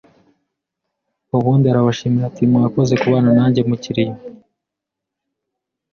ubundi arabashimira ati mwakoze kubana nange mukiriyo